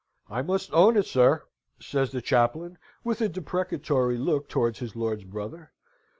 "I must own it, sir," says the chaplain, with a deprecatory look towards his lord's brother.